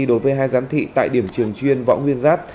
đối với hai giám thị tại điểm trường chuyên võ nguyên giáp